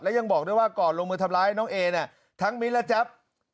ยังบอกด้วยว่าก่อนลงมือทำร้ายน้องเอเนี่ยทั้งมิ้นและแจ๊บ